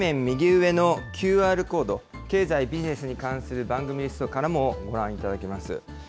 右上のＱＲコード、経済・ビジネスに関する番組リストからも、ご覧いただけます。